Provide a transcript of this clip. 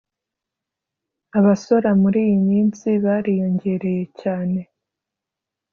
abasora muri iyi minsi bariyongereye cyane